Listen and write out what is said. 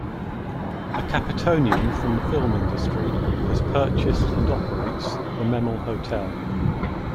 A Capetonian from the film industry has purchased and operates the Memel Hotel.